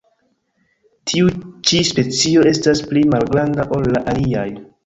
Tiu ĉi specio estas pli malgranda ol la aliaj.